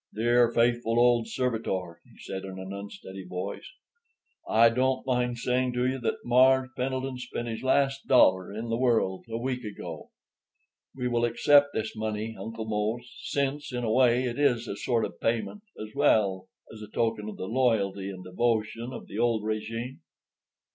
"Dear, faithful, old servitor," he said in an unsteady voice, "I don't mind saying to you that ''Mars' Pendleton spent his last dollar in the world a week ago. We will accept this money, Uncle Mose, since, in a way, it is a sort of payment, as well as a token of the loyalty and devotion of the old régime.